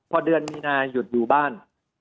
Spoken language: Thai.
พอเดือนมีนาหยุดอยู่บ้าน